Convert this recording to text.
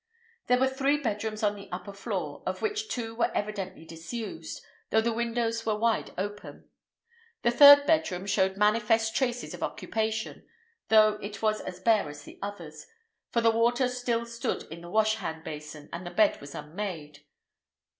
There were three bedrooms on the upper floor, of which two were evidently disused, though the windows were wide open. The third bedroom showed manifest traces of occupation, though it was as bare as the others, for the water still stood in the wash hand basin, and the bed was unmade.